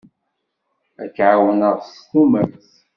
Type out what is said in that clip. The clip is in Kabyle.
Ad k-ɛawneɣ s tumert.